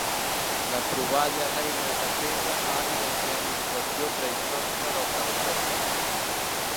La troballa d'eines de pedra ha evidenciat l'ocupació prehistòrica del territori.